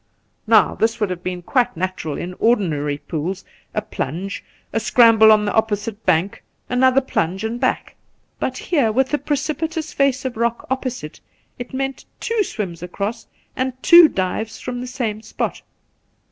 Now, this would have been quite natural in ordinary The Pool 183 , pools — ^a plunge, a scramble on the opposite bank, another plunge, and back. But here, with the precipitous face of rock opposite, it meant two swims across and two dives from the same spot.